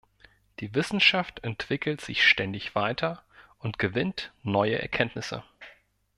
Die Wissenschaft entwickelt sich ständig weiter und gewinnt neue Erkenntnisse.